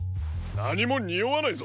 なにもにおわないぞ。